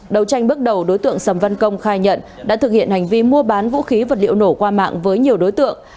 đầu tranh bước đầu đối tượng sầm văn công khai nhận đã thực hiện hành vi mua bán vũ khí vật liệu nổ qua mạng với nhiều đối tượng